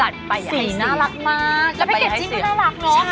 สีน่ารักมาก